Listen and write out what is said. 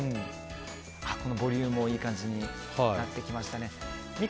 ボリュームもいい感じになってきましたね。